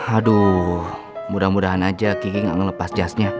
aduh mudah mudahan aja kiki gak ngelepas jasnya